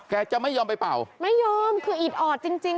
จะไม่ยอมไปเป่าไม่ยอมคืออีดออดจริงจริง